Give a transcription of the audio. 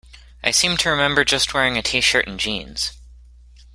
I seem to remember just wearing a t-shirt and jeans.